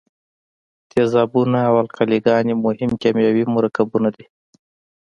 تیزابونه او القلي ګانې مهم کیمیاوي مرکبونه دي.